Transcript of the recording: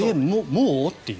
もう？っていう。